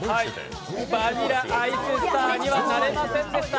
バニラアイススターにはなれませんでした。